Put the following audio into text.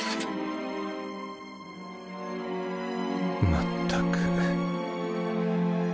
まったく。